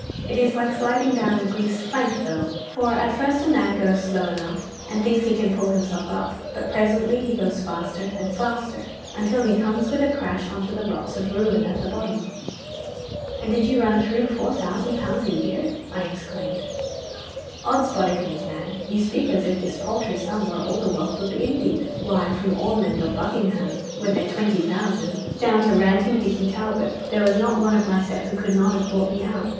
It is like sliding down a greased plank though, for at first a man goes slow enough, and thinks he can pull himself up, but presently he goes faster and faster, until he comes with a crash on to the rocks of ruin at the bottom.' 'And did you run through four thousand pounds a year?' I exclaimed. 'Od's bodikins, man, you speak as if this paltry sum were all the wealth of the Indies. Why, from Ormonde or Buckingham, with their twenty thousand, down to ranting Dicky Talbot, there was not one of my set who could not have bought me out.